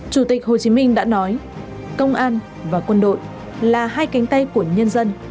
chủ tịch hồ chí minh đã nói công an và quân đội là hai cánh tay của nhân dân